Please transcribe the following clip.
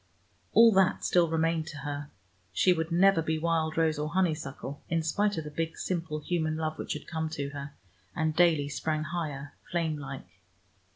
All that still remained to her: she would never be wild rose or honeysuckle, in spite of the big simple human love which had come to her, and daily sprang higher, flame like.